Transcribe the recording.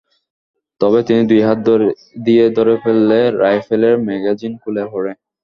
তবে তিনি দুই হাত দিয়ে ধরে ফেললে রাইফেলের ম্যাগাজিন খুলে পড়ে।